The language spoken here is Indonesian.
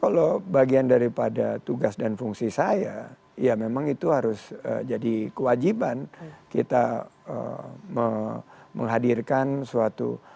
kalau bagian daripada tugas dan fungsi saya ya memang itu harus jadi kewajiban kita menghadirkan suatu